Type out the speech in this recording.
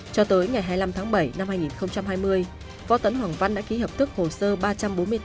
cho tới ngày hai mươi năm tháng bảy năm hai nghìn hai mươi võ tấn hoàng văn đã ký hợp thức hồ sơ ba trăm bốn mươi tám